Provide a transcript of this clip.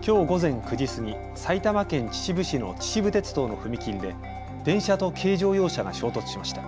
きょう午前９時過ぎ、埼玉県秩父市の秩父鉄道の踏切で電車と軽乗用車が衝突しました。